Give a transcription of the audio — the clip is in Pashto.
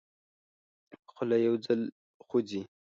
خوله یو ځل خوځي.